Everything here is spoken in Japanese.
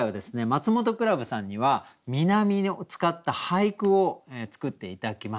マツモトクラブさんには「南風」を使った俳句を作って頂きました。